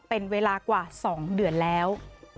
เป็นเวลากว่า๒เดือนแล้ว